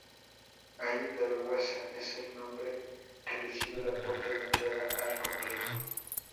Ala-I-Darwaza es el nombre que recibe la puerta de entrada al complejo.